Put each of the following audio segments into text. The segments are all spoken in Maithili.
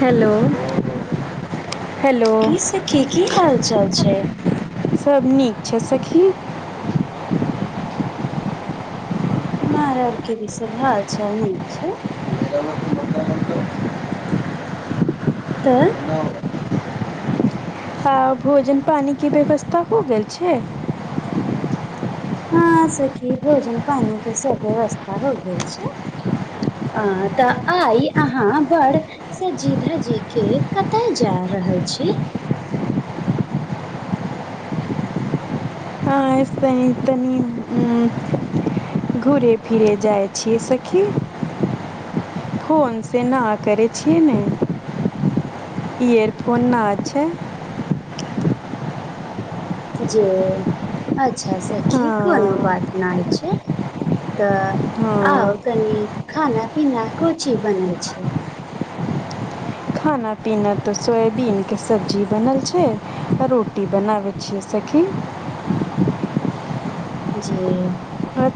हेलो हेलो कि सखी की हाल चाल छै सब नीक छै सखी हमार आर के भि भाषा नीक छै तऽ हँ भोजन पानीके व्यवस्था हो गेल छै हँ सखी भोजन पानि के सब व्यवस्था हो गेल छै अ तऽ आइ अहाँ बड़ सजी धजी के कतय जा रहल छी तनी [unintelligible] [unintelligible] घुरे फिरै जाइ छीये सखी फोनसँ न करै छियै ने इयरफोन ना छै जी अच्छा सखी कोनो हँ बात नाहि छै तऽ आउ हँ कनी खाना पीना कुछी बनय छै खाना पीना त सोयबीन के सब्जी बनल छै रोटी बनाबे छै सखी जी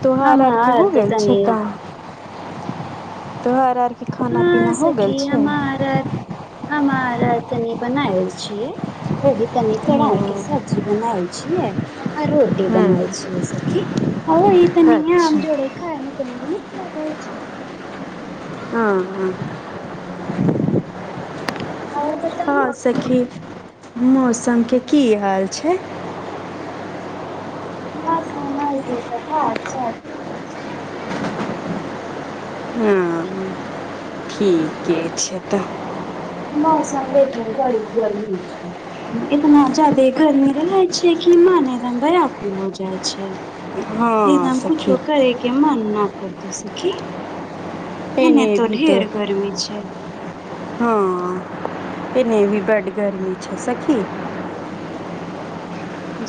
तोहार आरके हो गेल छै काम तोहार आर कि खाना पीना हँ हो गेल सखी छै हमार आर [unintelligible] हमारा तनि बनाएल छियै ओहि तनी तराइ के सब्जी बनायल छियै आ रोटी हँ बनाल छियै सखी ह ई तऽ नीय अच्छा आमजोड़े खाय त न नीक लागे छै ह ह आ [unintelligible] हँ सखी मौसमके की हाल छै मौसम के हाल चाल ठिक छै हँ ठीके छै तऽ मौसम ले के बड़ी गरमी छै इतना जादे गर्मी रहै छै कि मन एकदम व्याकुल भऽ जाइ छै ई हँ नाम सखी कूछो करे के मन ना करतौ सखी एते एने तऽ भी ढेर गरमी छै हँ एने भी बड गर्मी छै सखी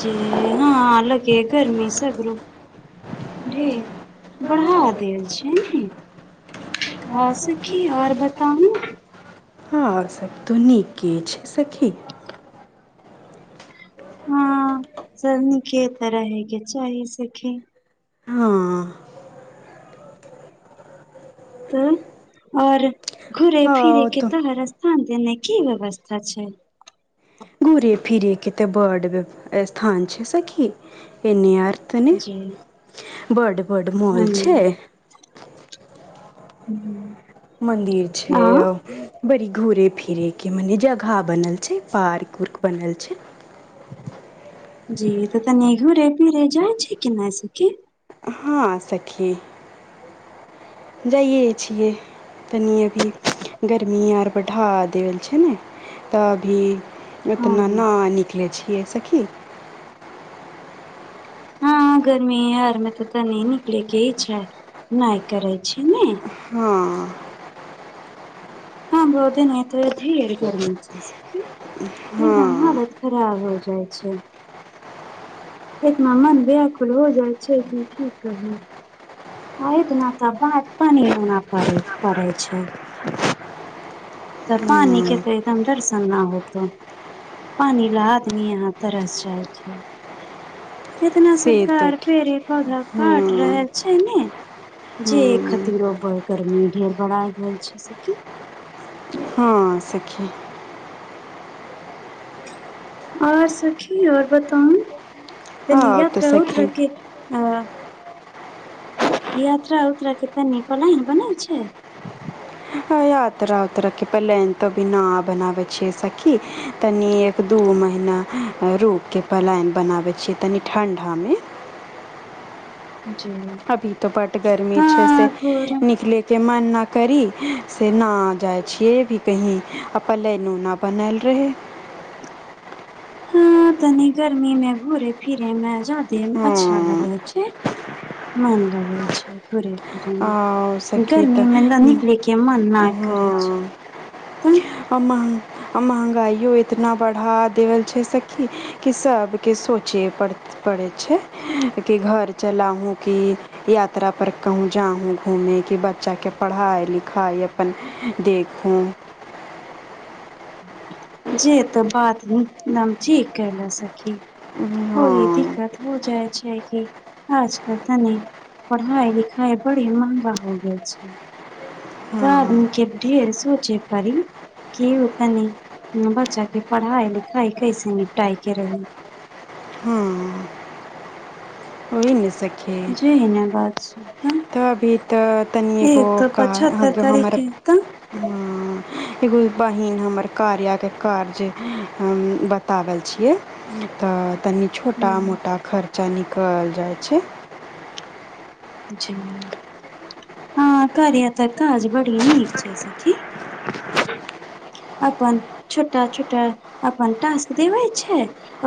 जी हँ अलगे गर्मी सगरो बढ़ा देल छनिकि हँ सखी आओर बताउ न हँ स तू नीके छै सखी हँ सब नीके तऽ रहैके चाही सखी हँ त आओर घुरे फिरे के तऽ रस हं जेना की व्यवस्था छै घूरे फिरे के तऽ बड बेब स्थान छै सखी एनी आर तनी जी बड बड मॉल छै हुं हुं मंदिर छै बड़ी घूरे फिरे के मने जगह बनल छै पार्क उर्क बनल छै जी त तनी घूरे फिरे जाय छै कि नहि सखी हँ सखी जाइए छियै कनि अभी गर्मी आर बढ़ा देल छै ने तऽ अभी हँ ओतना ना निकले छीये सखी हँ गर्मी आर मे त तऽ नहि निकले के इच्छा नाय करै छै नह हँ हं बहुते नै हैतै अथी आर गर्मी हँ एकदम हालत खराब हो जाय छै एतना मन व्याकुल हो जाय छै कि की कहु ह एतना तऽ बात पान होना पड़े पड़े छै तऽ पानिके त एकदम दर्शन न होतौ पानी ल आदमी यहाँ तरस जाइ छै इतना से तो सरकार ठीक पेड़े पौधा काट हँ रहल छै [unintelligible] हय नै जे हँ खतिर गर्मी ढेर बरा गेल छै सखी ह सखी आओर सखी आओर बताउ कनि आउ तऽ यात्रा उत्तरा सखी के आ यात्रा उत्रा के तनी पलान बनल छै यात्रा उतरा के पलेन तो अभी न बनाबे छैऐस की तनी दू महीना रुकके पलायन बनाबै छियै तनि ठण्डामे अभी तो बड गर्मी हँ छै से घुर निकले के मन नहि करी से नहि जाइ छियै भी कही आ प ले नूना बनल रहै हँ तनी गर्मी में घूरे फिरे मे जादे अच्छा हँ लगै छै मन लगै छै घुरे फिरे मे आ सखी गर्मी तऽ मे न निकले के मन ना करै हँ छै [inaudible] आ महंगाइयो इतना बढ़ा देेवल छै सखी की सबके सोचे पड़त पड़ै छै कि घर चला हूँ की यात्रा पर कहूँ जाहूँ घूमे कि बच्चाके पढ़ाइ लिखाइ अपन देखू जे तऽ बात न ठीक कहल सखी आओरो हँ दिक्कत हो जाय छै कि आजकल तनी पढ़ाइ लिखाइ बड़ी महंगा हो गेल छै तऽ आदम हँ के ढेर सोचे पड़ी केओ तनि बच्चा के पढ़ाई लिखाई कैसे निपटाइ के रही हँ [inaudible] [inaudible] जी हेना बात छै तब तऽ अभी तऽ तनि एगो का पचहत्तर हमर तारीखे तऽ हँ एगो बहिन हमर कार्या के कार्य हम बतावै छियै तऽ तनि छोटा हूं मोटा खर्चा निकल जाइ छै जी हँ कार्या तऽ काज बड़ी नीक छै सखी [inaudible] अपन छोटा छोटा अपन टास्क देवै छै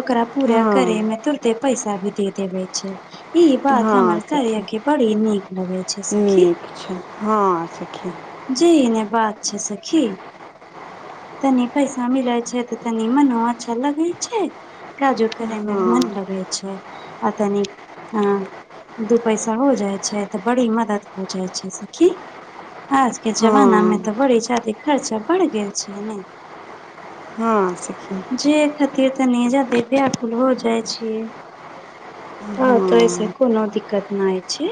ओकरा पूरा हँ करे मे तुरते पैसा भी दे देबे छै ई बात हँ हमर सखी कार्या के बड़ी नीक लगे छै सखी अच्छा हँ सखी जैय नऽ बात छै सखी तनी पैसा मिले छै तऽ तनी मनो अच्छा लागै छै काजो करैमे हँ मन लगे छै आ तनिक हँ दू पैसा हो जाइ छै तऽ बड़ी मदद हो जाइ छै सखी आज के जमाना मे हँ तऽ बड़ी जादे खर्चा बढ़ गेल घियै नै हँ सखी जे खातिर तनी जादे ब्याकुल हो जाय छियै हँ तैसे कोनो दिक्कत नहि छी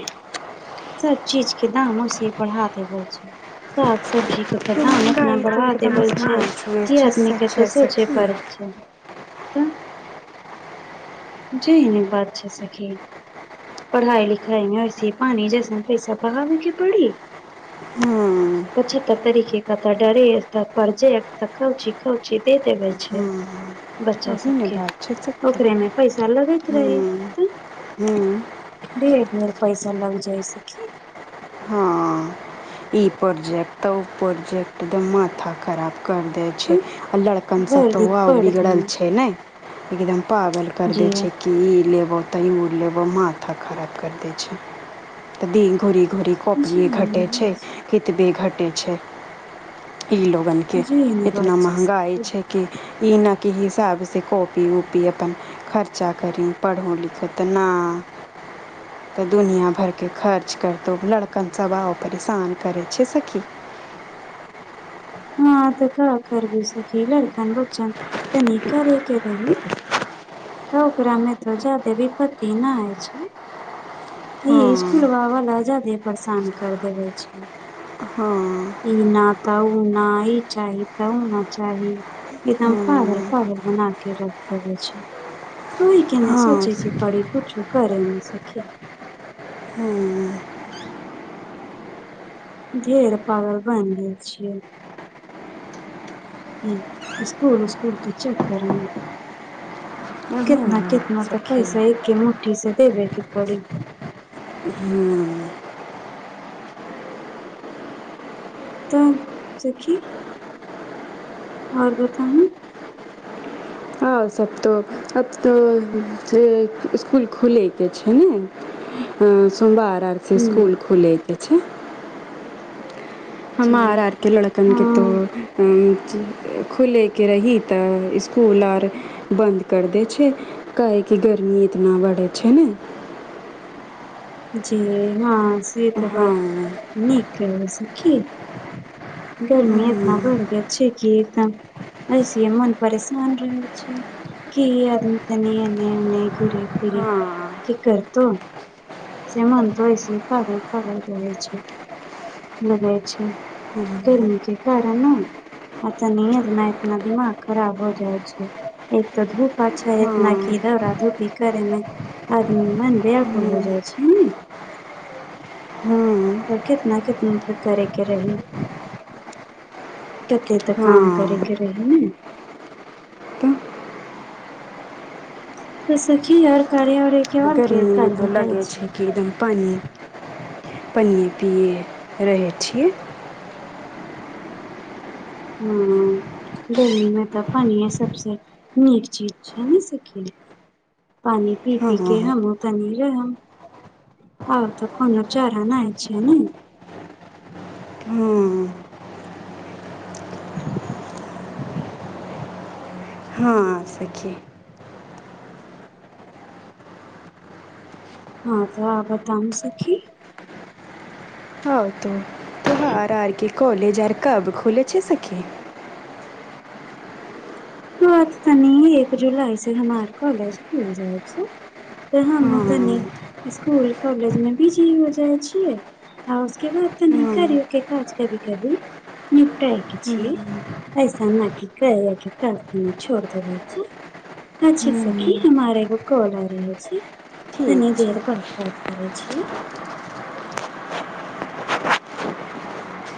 सब चीज के दाम ओसिये बढ़ा देबै छै साग सब्जी के तऽ महँगाइ दाम एतना महँगाई तो बढ़ा एकदम देवै छियै आसमान छुए की छै आदमी से केतो छै सोचे सखी पड़त के तऽ जेहने बात छै सेखी पढ़ाई लिखाई मे ओसिमे पानी जैसन पैसा बहाबे के पड़ी हँ कुछो तऽ करे केऽ एय कता डरे यऽ तऽ परजे तऽ कौन ची कौन ची दे देबे छै बच्चा ओही ने सबके बात छै सखी ओकरेमे पैसा लगैत हँ रहीत हँ ढेर ढेर पैसा लग जाइ सखी हँ इ प्रोजेक्ट त उ प्रोजेक्ट द माथा खराब कर देत छै तऽ आ लड़कन सब भर तो दिन आओर पढ़ बिगड़ल दिन छै नहि एकदम पागल कर दै जे छै की ई लेबो तऽ उऽ लेबौ माथा खराब कर दै छै दीन घूरी घूरी जे कॉपीये घटे छै कतबे घटै छै [inaudible] ई लोगन केँ जे एहने बात एतना छै महंगाई सखी छै के ई ना की हिसाब से कोपी वूपी अपन खर्चा करी पढ़ू लिखु तऽ नाइ तऽ दुनियाँ भरके खर्च करतौ लड़कन सभ आओर परेशान करै छै सखी हँ तऽ का करबै सखी लड़कन बच्चन तनी करे के रही तऽ ओकरामे तऽ जादे विपत्ति ना होइ छै ई हँ इसकुल [unintelligible] परेशान कर देवे छै हँ ई ना तऽ उ ना इ चाही तऽ उ ना चाही एकदम पागल हँ पागल बना के रख देेबे छै कोइ के नऽ हँ सोचे कि सखी पढ़ी कुछू करे मे सखी हँ ढेर पागल बनि गेल छियै हूँ स्कूल उस्कूल के चकर मे वही कितना ने कितना तऽ सखी पैसा एके मुठी से देबेके पड़ी हूँ तऽ सखी आओर बताउू आओर सब तऽ आब तऽ स्कूल खुलैकेँ छै हूँ सोमवार आर से हूँ इसकुल खुलै कऽ छै [inaudible] हमार आरके लोड़कन के तो हँ खुलैके रही तऽ स्कूल अर बंद कर देए छै काहेकि गर्मी इतना बढ़ै छै ने जी हँ से तऽ बात हँ नीक अइ न सखी गर्मी इतना बढ़ गेल छै की एकदम ऐस मन परेशान रहै छै की आदमी तनी एने उनके घुरे फिरे हँ कि करतौ सेमनत हो छै पागल पगल रहै छै लगै छै ग क कारन ने आ तनि एतना एतनादिमाग खराब हो जाइ छै एक तो धूप अच्छा इतना हँ कीधा उ आ धूपी करेमे आर ब मन बियाकुल हो जाइ छै ने हू तब कितना कितना त करेके रही कते तऽ काम करेके हँ रही ने तऽ तऽ सखी यार कार्य ओर आ गर्मीमे तऽ लगै छै कि एकदम पानि पानियए पियै रहै छीयै हम्म गर्मी मे तऽ पानिए सबसे नीक चीज छै ने सखी पानि पी हँ पी के हम तनी रह आर तऽ कोनो चरा नहि छैय ने हँ हँ हू सखी हँ तऽ बताउ सखी हँ त त्य हार आरके कॉलेज आर कब खुले छै सखी त तनी एक जुलाई से हमार कॉलेज खुल जाय छै तऽ हम हँ कनी स्कुल कॉलेज मे बिजी हो जाइ छियै आ उसके बाद तऽनि हँ करियो के काज कभी कभी निपटाए की छियै ऐसा न की कहै के काज कनीश्र छोड़ देबै छै अच्छा हँ सखी हमारब एगो कॉल आ रहे छै ठीक तनी छै बेेर पात बात करै छै